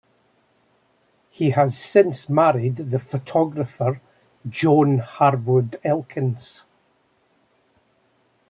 He has since married the photographer Joan Harwood Elkins.